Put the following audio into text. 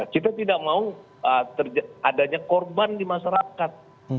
kita tidak mau adanya korban di masyarakat